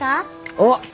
おっ！